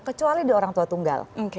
kecuali di orang tua tunggal